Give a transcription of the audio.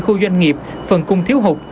khu doanh nghiệp phần cung thiếu hụt